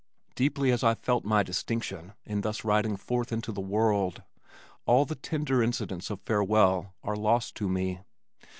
Deeply as I felt my distinction in thus riding forth into the world, all the tender incidents of farewell are lost to me.